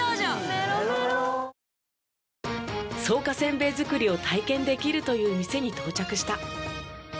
メロメロ草加せんべい作りを体験できるという店に到着した。